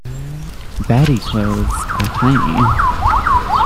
Bady clothes are tiny.